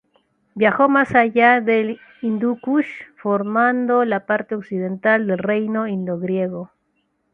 Viajó más allá del Hindu Kush, formando la parte occidental del Reino indogriego.